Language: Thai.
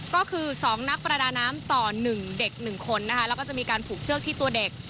ก็คือ๒นักประดาน้ำต่อ๑เด็ก๑คนนะคะแล้วก็จะมีการผูกเชือกที่ตัวเด็ก